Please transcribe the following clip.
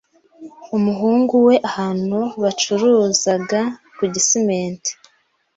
umuhungu we ahantu bacuruzaga ku Gisimenti